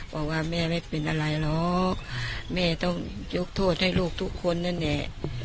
บอกว่าแม่ไม่เป็นอะไรหรอกแม่ต้องยกโทษให้ลูกทุกคนนั่นแหละ